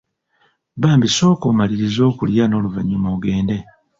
Bambi sooka omalirize okulya n’oluvannyuma ogende.